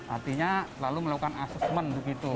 artinya lalu melakukan asesmen begitu